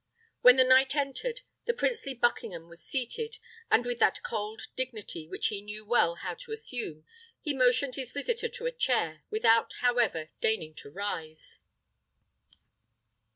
When the knight entered, the princely Buckingham was seated, and with that cold dignity which he knew well how to assume, he motioned his visiter to a chair, without, however, deigning to rise.